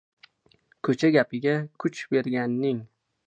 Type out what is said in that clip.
— Ko‘cha gapiga kuch berganning